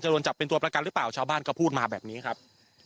โดนจับเป็นตัวประกันหรือเปล่าชาวบ้านก็พูดมาแบบนี้ครับ